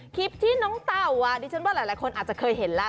คลิปที่น้องเต่าดิฉันว่าหลายคนอาจจะเคยเห็นแล้ว